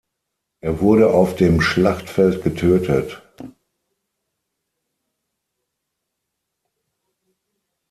Er wurde auf dem Schlachtfeld getötet.